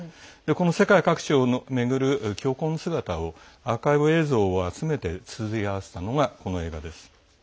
世界各地を巡る教皇の姿を捉えたアーカイブ映像を集めてつづり合わせたのがこの映画です。